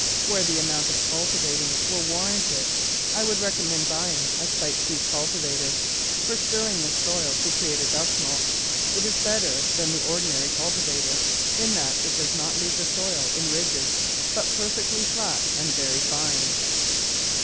Where the amount of cultivating will warrant it, I would recommend buying a spike tooth culti vator. For stirring the soil to create a dust mulch, it is better than the ordinary cultivator in that it does not leave the soil in ridges but perfectly flat and very fine.